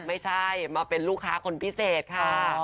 ไม่ใช่มาเป็นลูกค้าคนพิเศษค่ะ